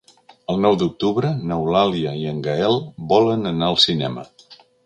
El nou d'octubre n'Eulàlia i en Gaël volen anar al cinema.